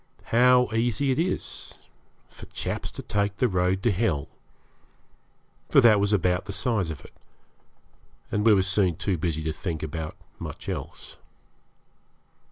How easy is it for chaps to take the road to hell! for that was about the size of it, and we were soon too busy to think about much else.